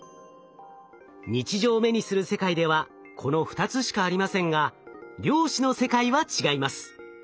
日常目にする世界ではこの２つしかありませんが量子の世界は違います。